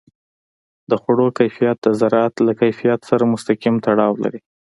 د خوړو کیفیت د زراعت له کیفیت سره مستقیم تړاو لري.